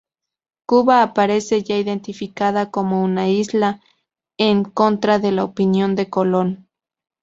Cuba aparece ya identificada como una isla, en contra de la opinión de Colón.